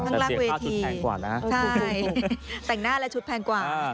แต่เสียค่าชุดแพงกว่านะใช่แต่งหน้าและชุดแพงกว่า